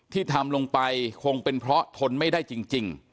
ที่ทำลงไปคงเป็นเพราะทนไม่ได้จริง